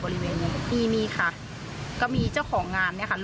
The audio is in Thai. บริเวณนี้มีมีค่ะก็มีเจ้าของงานเนี่ยค่ะ